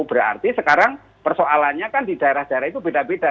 berarti sekarang persoalannya kan di daerah daerah itu beda beda